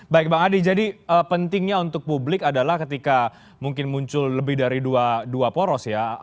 baik bang adi jadi pentingnya untuk publik adalah ketika mungkin muncul lebih dari dua poros ya